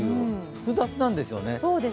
複雑なんですよね。